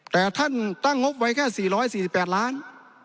แต่ท่านตั้งงบไว้แค่๔๔๘ล้าน